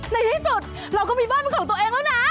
ในที่สุดเราก็มีบ้านเป็นของตัวเองแล้วนะ